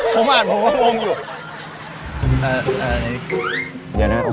ผมอ่านผมว่าโมงอยู่